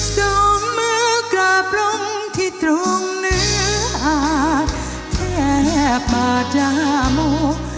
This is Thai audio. ส่งมือกลับลงที่ตรงเนื้ออาจแทบปาจามูก